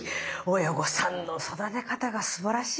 親御さんの育て方がすばらしいな。